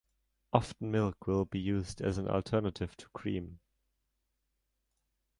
Often milk will be used as an alternative to cream.